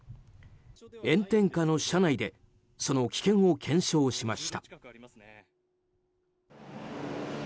炎天下の車内でその危険を検証しました。